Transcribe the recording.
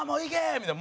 みたいな。